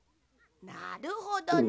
なるほどね。